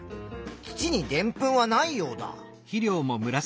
土にでんぷんはないようだ。